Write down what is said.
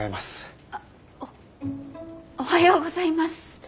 あおおはようございます。